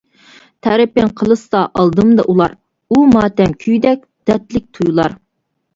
تەرىپىڭ قىلىشسا ئالدىمدا ئۇلار، ئۇ ماتەم كۈيىدەك دەردلىك تۇيۇلار.